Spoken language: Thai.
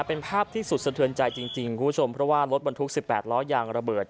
เป็นภาพที่สุดสะเทือนใจจริงคุณผู้ชมเพราะว่ารถบรรทุก๑๘ล้อยางระเบิด